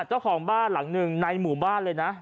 เจ้าของบ้านหลังหนึ่งในหมู่บ้านเลยนะ